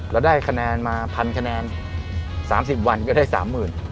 เราได้คะแนนมาพันคะแนน๓๐วันก็ได้สามหมื่น